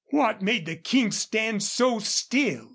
What made the King stand so still?